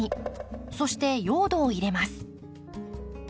そして用土を入れます。